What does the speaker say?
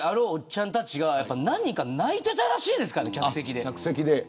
ちゃんたちが何人か泣いていたらしいですから客席で。